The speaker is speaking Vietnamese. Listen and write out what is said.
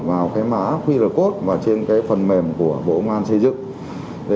vào cái mã qr code và trên cái phần mềm của bộ ngoan xây dựng